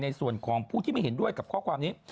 ในส่วนของผู้ที่ไม่เห็นด้วยกับข้อความนี้